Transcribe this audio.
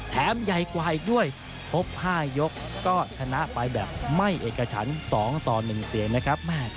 ใหญ่กว่าอีกด้วยพบ๕ยกก็ชนะไปแบบไม่เอกฉัน๒ต่อ๑เสียงนะครับ